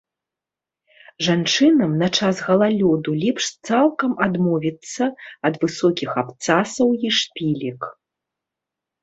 Жанчынам на час галалёду лепш цалкам адмовіцца ад высокіх абцасаў і шпілек.